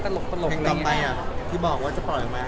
ตลกอะไรเงี้ย